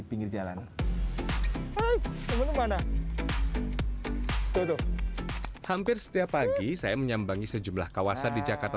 pinggir jalan sebelum manado hampir setiap pagi saya menyambangi sejumlah kawasan di jakarta